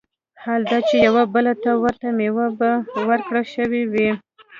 حال دا چي يوې بلي ته ورته مېوې به وركړى شوې وي